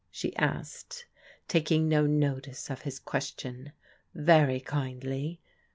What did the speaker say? she asked, taking no notice of his question. " Very kindly.